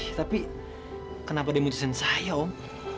ih tapi kenapa dia mutusin saya om